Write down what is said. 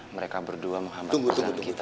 mereka berdua menghambat persatu kita